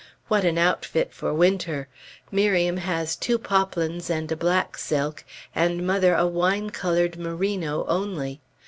What an outfit for winter! Miriam has two poplins and a black silk, and mother a wine colored merino, only.